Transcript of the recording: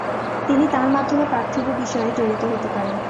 তিনি তাঁর মাধ্যমে পার্থিব বিষয়ে জড়িত হতে পারেন।